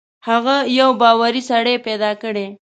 هغه یو باوري سړی پیدا کړي.